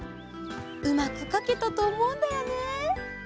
うまくかけたとおもうんだよね。